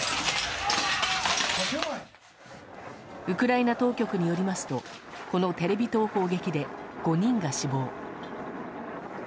ウクライナ当局によりますとこのテレビ塔砲撃で５人が死亡。